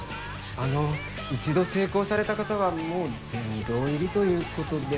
あの一度成功された方はもう殿堂入りということで。